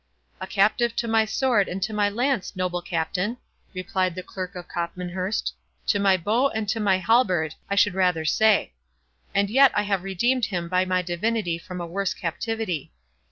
"A captive to my sword and to my lance, noble Captain," replied the Clerk of Copmanhurst; "to my bow and to my halberd, I should rather say; and yet I have redeemed him by my divinity from a worse captivity.